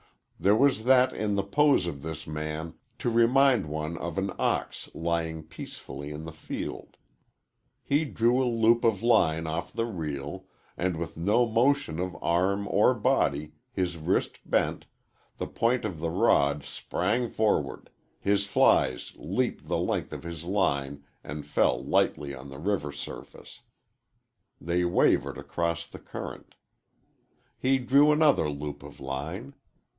There was that in the pose of this man to remind one of an ox lying peacefully in the field. He drew a loop of line off the reel, and with no motion of arm or body, his wrist bent, the point of the rod sprang forward, his flies leaped the length of his line and fell lightly on the river surface. They wavered across the current. He drew another loop of line.